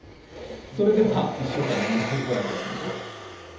それでは１週間のニュース、ご覧いただきましょう。